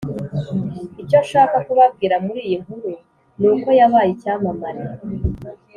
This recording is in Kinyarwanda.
Icyo nshaka kubabwira muri iyi nkuru ni uko yabaye icyamamare